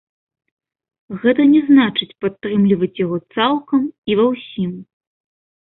Гэта не значыць падтрымліваць яго цалкам і ва ўсім.